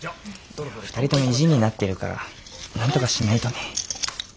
２人とも意地になってるからなんとかしないとね。